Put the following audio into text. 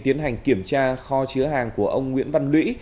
tiến hành kiểm tra kho chứa hàng của ông nguyễn văn lũy